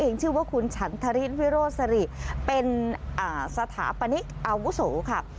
ชื่อว่าคุณฉันทริสวิโรสริเป็นสถาปนิกอาวุโสค่ะ